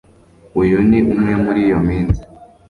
Uyu ni umwe muri iyo minsi